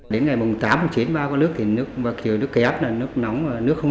đến ngày tám chín ba có nước thì nước kéo nước nóng